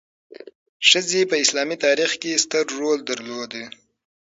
ښځې په اسلامي تاریخ کې ستر رول درلود.